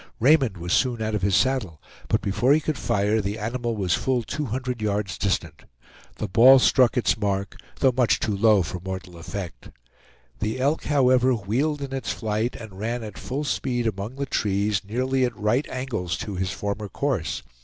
Raymond was soon out of his saddle, but before he could fire, the animal was full two hundred yards distant. The ball struck its mark, though much too low for mortal effect. The elk, however, wheeled in its flight, and ran at full speed among the trees, nearly at right angles to his former course.